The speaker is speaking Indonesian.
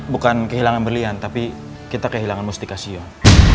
bukan kehilangan berlian tapi kita kehilangan mustika sion